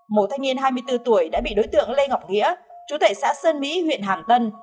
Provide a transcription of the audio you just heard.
một thanh niên hai mươi bốn tuổi đã bị đối tượng lê ngọc nghĩa chú tệ xã sơn mỹ huyện hàm tân